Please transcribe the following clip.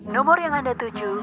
nomor yang anda tuju